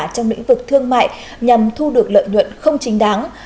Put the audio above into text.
trong lĩnh vực thương mại nhằm thu được lợi nhuận không chính đáng